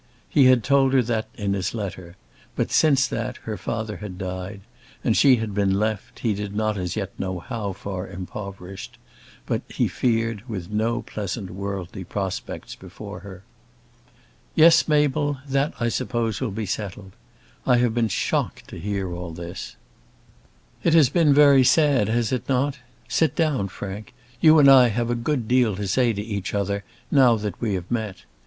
He had told her that in his letter, but, since that, her father had died, and she had been left, he did not as yet know how far impoverished, but, he feared, with no pleasant worldly prospects before her. "Yes, Mabel; that I suppose will be settled. I have been so shocked to hear all this." "It has been very sad; has it not? Sit down, Frank. You and I have a good deal to say to each other now that we have met.